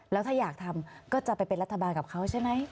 แล้วถ้าอยากทำก็จะไปเป็นรัฐบาลกับเขาใช่ไหม